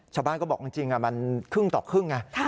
ชาวบ้านก็บอกจริงมันครึ่งต่อครึ่งไง